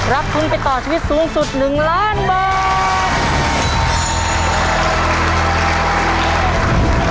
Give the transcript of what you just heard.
รับทุนไปต่อชีวิตสูงสุด๑ล้านบาท